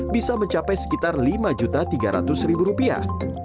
bisa mencapai sekitar lima juta tiga ratus ribu rupiah